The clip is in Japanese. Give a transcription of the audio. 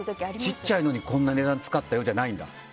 小さいのにこんな値段使ったよじゃないんだ。